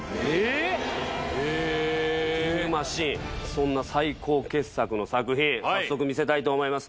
そんな最高傑作の作品早速見せたいと思います。